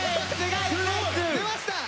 出ました！